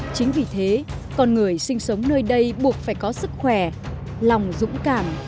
chính vì thế con người sinh sống nơi đây buộc phải có sức khỏe lòng dũng cảm